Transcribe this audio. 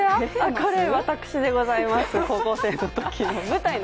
これ、私でございます、高校生のときの。